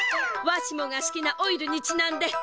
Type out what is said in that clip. わしもがすきなオイルにちなんで０１６！